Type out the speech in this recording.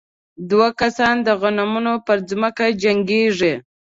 دوه کسان د غنمو په ځمکه جنګېږي.